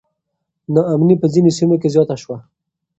نا امني په ځینو سیمو کې زیاته سوه.